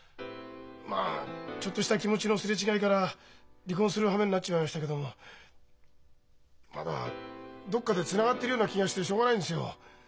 まあちょっとした気持ちの擦れ違いから離婚するはめになっちまいましたけどもまだどっかでつながってるような気がしてしょうがないんですよ。